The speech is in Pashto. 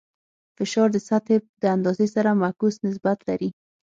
فشار د سطحې د اندازې سره معکوس نسبت لري.